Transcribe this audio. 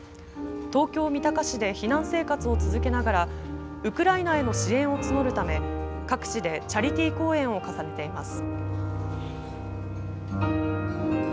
東京三鷹市で避難生活を続けながらウクライナへの支援を募るため各地でチャリティー公演を重ねています。